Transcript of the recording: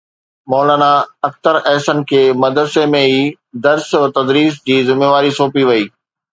مولانا اختر احسن کي مدرسي ۾ ئي درس و تدريس جي ذميواري سونپي وئي